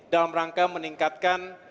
dalam rangka meningkatkan